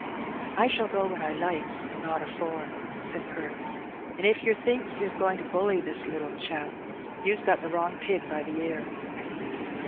I shall go when I likes, and not afore," said Perks; an' if yer thinks yer's goin' to bully this little chap^ you's got the wrong pig by the ear."